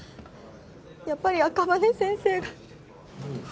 やっぱり赤羽先生が。